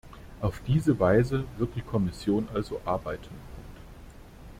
Auf diese Weise wird die Kommission also arbeiten.